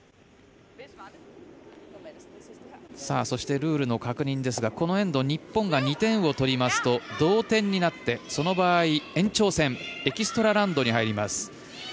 そして、ルールの確認ですがこのエンド日本が２点を取りますと同点になって、その場合延長戦、エキストラ・エンドに入ります。